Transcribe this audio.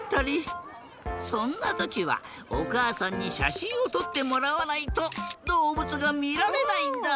そんなときはおかあさんにしゃしんをとってもらわないとどうぶつがみられないんだ。